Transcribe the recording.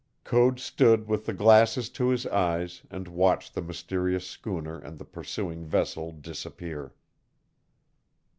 Code stood with the glasses to his eyes and watched the mysterious schooner and the pursuing vessel disappear.